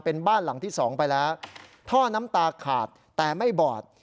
เป็นบ้านหลังที่สองไปแล้วท่อน้ำตาขาดแต่ไม่บอด